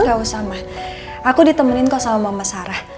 gak usah mah aku ditemenin kok sama mama sarah